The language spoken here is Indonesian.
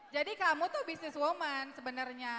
jadi kamu tuh bisnis woman sebenarnya